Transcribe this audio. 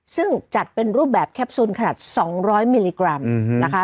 ซึ่งจัดเป็นรูปแบบแคปซูลขนาด๒๐๐มิลลิกรัมนะคะ